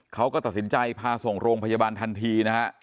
เขาก็ตัดสินใจพาส่งโรงพยาบาลทันทีนะฮะ